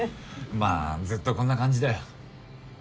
まあずっとこんな感じだよ。